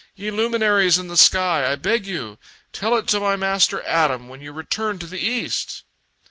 "Ye luminaries in the sky, I beg you, tell it to my master Adam when ye return to the east!"